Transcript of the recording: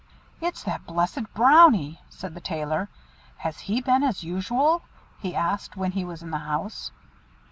"It's that Blessed Brownie!" said the Tailor. "Has he been as usual?" he asked, when he was in the house.